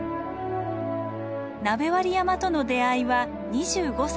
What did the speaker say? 鍋割山との出会いは２５歳の時。